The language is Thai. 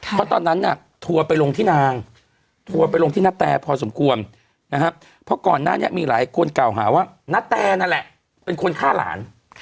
เพราะตอนนั้นน่ะทัวร์ไปลงที่นางทัวร์ไปลงที่นาแตพอสมควรนะครับเพราะก่อนหน้านี้มีหลายคนกล่าวหาว่าณแตนั่นแหละเป็นคนฆ่าหลาน